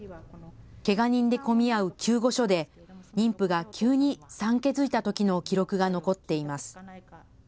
けが人で混み合う救護所で妊婦が急に産気づいたときの記録が残っています。